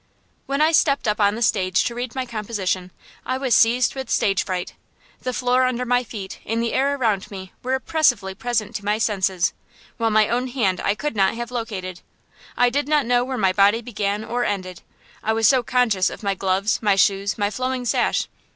When I stepped up on the stage to read my composition I was seized with stage fright. The floor under my feet and the air around me were oppressively present to my senses, while my own hand I could not have located. I did not know where my body began or ended, I was so conscious of my gloves, my shoes, my flowing sash.